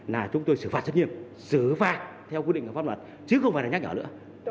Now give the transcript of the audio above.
là chúng tôi xử phạt rất nghiêm xử phạt theo quy định của pháp luật chứ không phải là nhắc nhở nữa